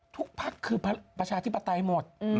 ภักดิ์คือประชาธิปไตยหมด